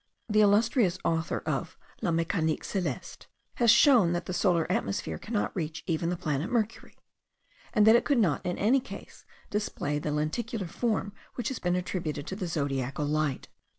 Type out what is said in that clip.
The illustrious author of "La Mecanique Celeste" has shown that the solar atmosphere cannot reach even the planet Mercury; and that it could not in any case display the lenticular form which has been attributed to the zodiacal light.